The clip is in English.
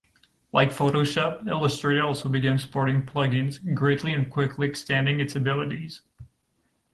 Like Photoshop, Illustrator also began supporting plug-ins, greatly and quickly extending its abilities.